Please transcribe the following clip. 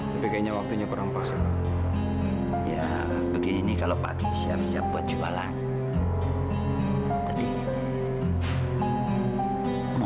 tapi kayaknya waktunya kurang pas ya begini kalau pagi siap siap buat jualan tadi